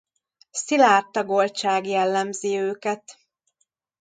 Szilárd tagoltság jellemzi őket.